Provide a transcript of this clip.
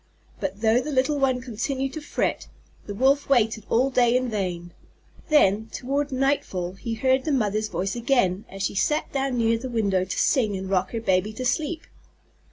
But though the little one continued to fret, the Wolf waited all day in vain. Then, toward nightfall, he heard the Mother's voice again as she sat down near the window to sing and rock her baby to sleep.